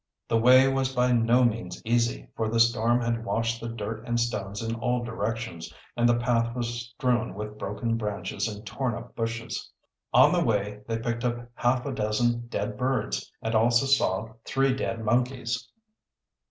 The way was by no means easy, for the storm had washed the dirt and stones in all directions and the path was strewn with broken branches and torn up bushes. On the way they picked up hard a dozen dead birds and also saw three dead monkeys.